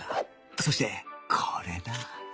そしてこれだ